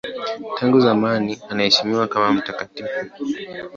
Tangu zamani anaheshimiwa kama mtakatifu.